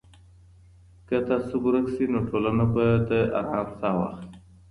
که تعصب ورک سي نو ټولنه به د ارام ساه واخلي.